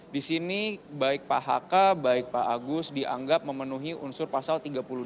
di sini baik pak haka baik pak agus dianggap memenuhi unsur pasal tiga puluh dua